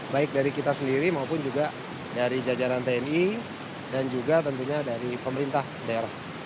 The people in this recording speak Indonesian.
baik dari kita sendiri maupun juga dari jajaran tni dan juga tentunya dari pemerintah daerah